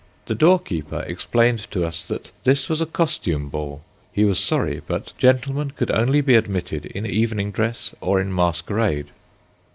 The doorkeeper explained to us that this was a costume ball; he was sorry, but gentlemen could only be admitted in evening dress or in masquerade.